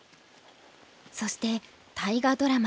そして大河ドラマ